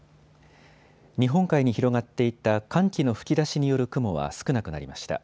日本海に広がっていた寒気の吹き出しによる雲は少なくなりました。